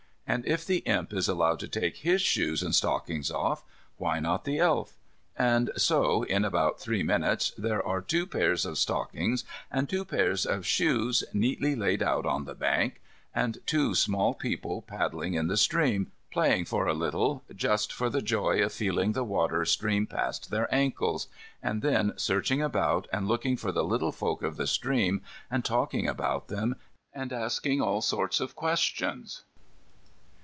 And if the Imp is allowed to take his shoes and stockings off, why not the Elf? And so, in about three minutes, there are two pairs of stockings and two pair of shoes neatly laid out on the bank, and two small people paddling in the stream, playing for a little, just for the joy of feeling the water stream past their ankles, and then searching about and looking for the little folk of the stream and talking about them, and asking all sorts of questions.